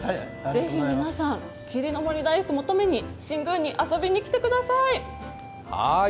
ぜひ皆さん、霧の森大福を求めに新宮に遊びに来てください。